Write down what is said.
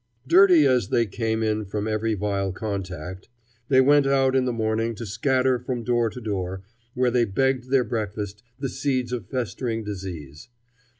] Dirty as they came in from every vile contact, they went out in the morning to scatter from door to door, where they begged their breakfast, the seeds of festering disease.